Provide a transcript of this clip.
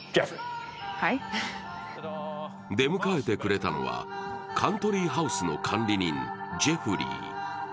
出迎えてくれたのはカントリーハウスの管理人ジェフリー。